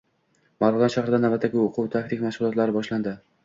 Marg‘ilon shahrida navbatdagi o‘quv taktik mashg‘ulotlari boshlanding